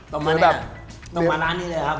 ต้องมาร้านนี้เลยครับผม